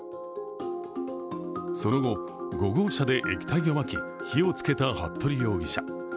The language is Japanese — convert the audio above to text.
その後、５号車で液体でまき、火を付けた服部容疑者。